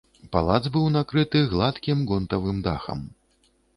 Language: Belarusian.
Палац быў накрыты гладкім гонтавым дахам.